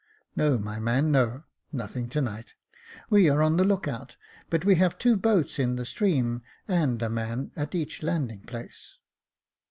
" No, my man, no ; nothing to night. We are on the look out, but we have two boats in the stream, and a man at each landing place.